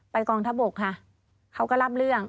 กองทัพบกค่ะเขาก็รับเรื่อง